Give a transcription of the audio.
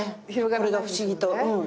これが不思議と。